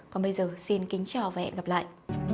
còn bây giờ xin kính chào và hẹn gặp lại